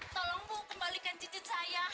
tolong bu kembalikan cicit saya